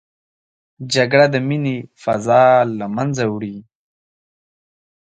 جګړه د مینې فضا له منځه وړي